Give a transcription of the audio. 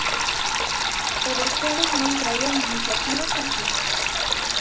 E vostedes non traían iniciativas aquí.